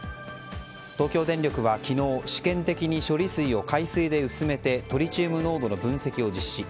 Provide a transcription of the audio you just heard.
東京電力は昨日、試験的に処理水を海水で薄めてトリチウム濃度の分析を実施。